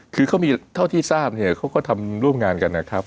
คือเขามีเท่าที่ทราบเนี่ยเขาก็ทำร่วมงานกันนะครับ